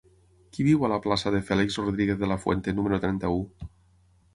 Qui viu a la plaça de Félix Rodríguez de la Fuente número trenta-u?